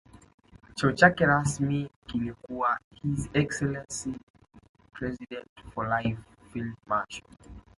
Cheo chake rasmi kilikuwa His Excellency President for Life Field Marshal